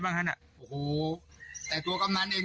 เมื่อก่อนไม่มี